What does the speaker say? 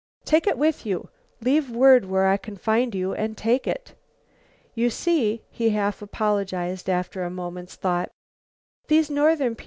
"Take it with you. Leave word where I can find you and take it." "You see," he half apologized, after a moment's thought, "these northern P.